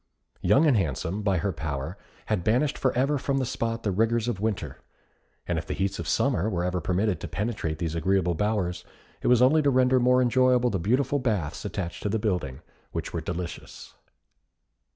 Young and Handsome, by her power, had banished for ever from the spot the rigours of winter, and if the heats of summer were ever permitted to penetrate these agreeable bowers, it was only to render more enjoyable the beautiful baths attached to the building, which were delicious.